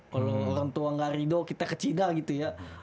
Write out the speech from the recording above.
kalau orang tua nggak ridho kita ke cina gitu ya